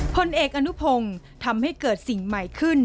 พลเอกอนุพงศ์ทำให้เกิดสิ่งใหม่ขึ้น